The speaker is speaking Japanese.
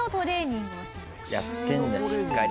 やってるんだしっかり。